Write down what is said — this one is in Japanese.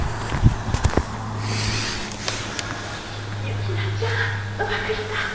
雪菜ちゃんうまくいった！